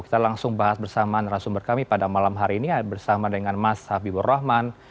kita langsung bahas bersama narasumber kami pada malam hari ini bersama dengan mas habibur rahman